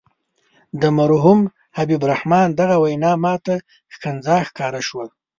د مرحوم حبیب الرحمن دغه وینا ماته ښکنځا ښکاره شوه.